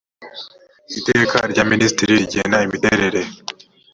iteka rya minisitiri rigena imiterere